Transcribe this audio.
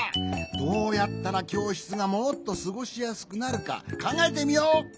どうやったらきょうしつがもっとすごしやすくなるかかんがえてみよう！